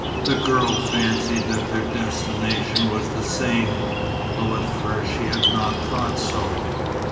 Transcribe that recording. The girl fancied that their destination was the same, though at first she had not thought so.